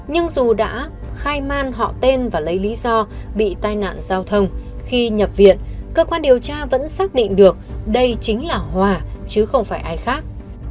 nhưng dù đã khai man họ tên và lấy lý do bị tai nạn giao thông khi nhập viện cơ quan điều tra vẫn xác định được đây chính là hòa chứ không phải ai khác